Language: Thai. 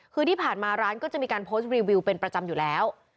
คือที่ผ่านมาร้านก็จะมีการโพสต์รีวิวเป็นประจำอยู่แล้ว